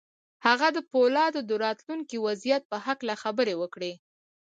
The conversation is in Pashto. هغه د پولادو د راتلونکي وضعیت په هکله خبرې وکړې